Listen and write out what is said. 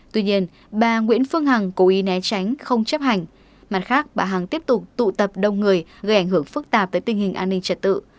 tuy nhiên bà nguyễn phương hằng cố ý né tránh không chấp hành mặt khác bà hằng tiếp tục tụ tập đông người gây ảnh hưởng phức tạp tới tình hình an ninh trật tự